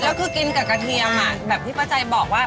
แล้วคือกินกับกระเทียมแบบที่ป้าใจบอกว่า